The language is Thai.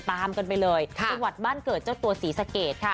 ตามกันไปเลยจังหวัดบ้านเกิดเจ้าตัวศรีสะเกดค่ะ